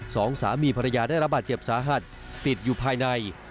สองสามีภรรยาได้รับบาดเจ็บสาหัสติดอยู่ภายใน